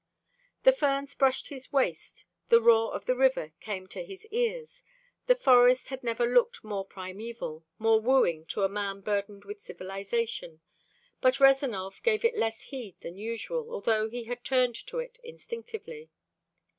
The ferns brushed his waist, the roar of the river came to his ears, the forest had never looked more primeval, more wooing to a man burdened with civilization, but Rezanov gave it less heed than usual, although he had turned to it instinctively.